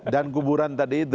dan kuburan tadi itu